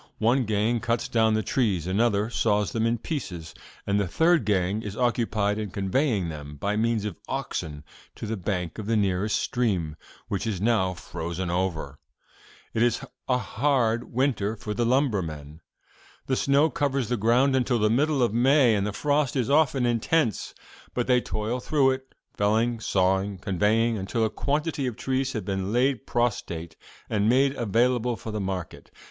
One gang cuts down the trees, another saws them in pieces, and the third gang is occupied in conveying them, by means of oxen, to the bank of the nearest stream, which is now frozen over. "'It is a hard winter for the lumbermen. The snow covers the ground until the middle of May, and the frost is often intense. But they toil through it, felling, sawing and conveying until a quantity of trees have been laid prostrate and made available for the market.